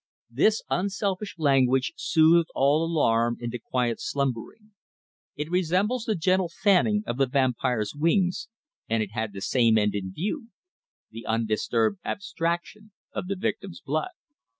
"This unselfish language soothed all alarm into quiet slumbering. It resembles the gentle fanning of the vampire's wings, and it had the same end in view — the un disturbed abstraction of the victim's blood."